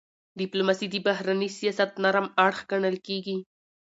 ډيپلوماسي د بهرني سیاست نرم اړخ ګڼل کېږي.